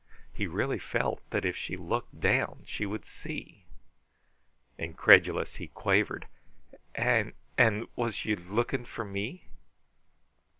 He really felt that if she looked down she would see. Incredulous, he quavered: "An' an' was you looking for me?"